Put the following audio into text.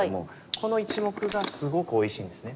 この１目がすごくおいしいんですね